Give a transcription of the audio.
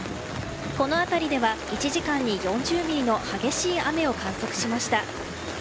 この辺りでは１時間に４０ミリの激しい雨を観測しました。